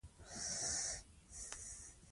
دوی په دې اړه هيڅ معلومات نه درلودل.